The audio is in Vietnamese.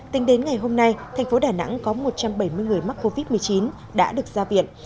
tính đến ngày hôm nay thành phố đà nẵng có một trăm bảy mươi người mắc covid một mươi chín đã được ra viện